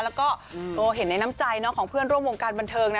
แล้วก็เห็นในน้ำใจของเพื่อนร่วมวงการบันเทิงนะ